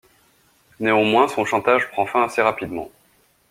Néanmoins, son chantage prend fin assez rapidement.